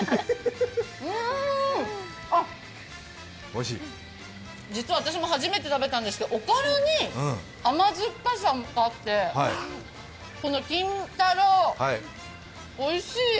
うーん、実は私も初めて食べたんですけどおからに甘酸っぱさがあって金太郎、おいしい。